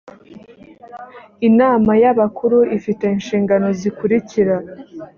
inama y abakuru ifite inshingano zikurikira